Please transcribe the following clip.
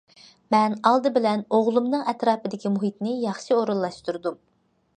مەن ئالدى بىلەن ئوغلۇمنىڭ ئەتراپىدىكى مۇھىتنى ياخشى ئورۇنلاشتۇردۇم.